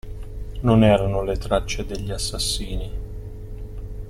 Non erano le tracce degli assassini.